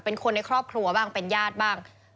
เป็นคนในครอบครัวบ้างเป็นญาติบ้าง